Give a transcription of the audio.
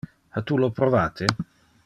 Ha tu lo provate?